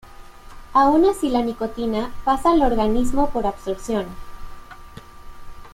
Aun así la nicotina pasa al organismo por absorción.